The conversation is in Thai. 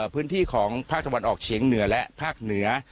พื้นที่ของภาคตะวันออกเฉียงเหนือและภาคเหนือ